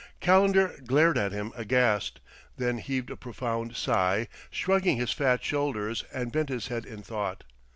Calendar glared at him aghast; then heaved a profound sigh, shrugged his fat shoulders, and bent his head in thought.